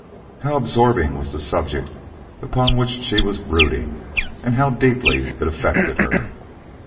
How absorbing was the subject upon which she was brooding, and how deeply it affected her!